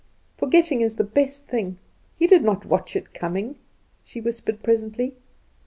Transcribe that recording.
"Forgetting is the best thing. He did watch it coming," she whispered presently.